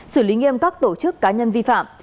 xử lý nghiêm các tổ chức cá nhân vi phạm